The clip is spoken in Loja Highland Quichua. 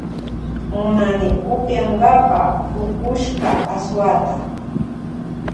Munani upiyankapa pukushka aswata.